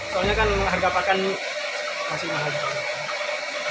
soalnya kan harga pakan ini masih mahal